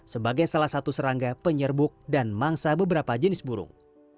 sebagai salah satu serangga penyerbuk dan mangsa beberapa jenis burung